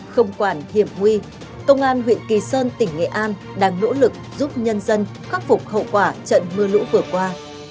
không quản hiểm nguy công an huyện kỳ sơn tỉnh nghệ an đang nỗ lực giúp nhân dân khắc phục hậu quả trận mưa lũ vừa qua